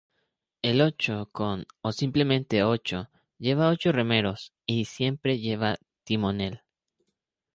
El "ocho con" o simplemente "ocho" lleva ocho remeros, y siempre lleva timonel.